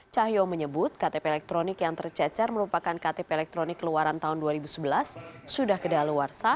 cahyo menyebut ktp elektronik yang tercecer merupakan ktp elektronik keluaran tahun dua ribu sebelas sudah kedaluarsa